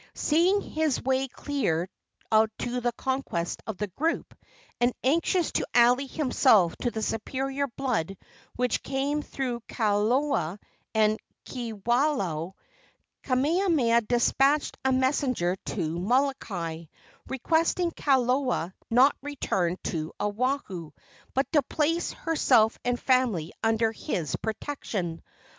Seeing his way clear to the conquest of the group, and anxious to ally himself to the superior blood which came through Kalola and Kiwalao, Kamehameha despatched a messenger to Molokai, requesting Kalola not to return to Oahu, but to place herself and family under his protection.